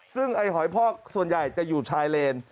ซึ่งไอ้หอยพอกส่วนใหญ่จะอยู่ชายเลน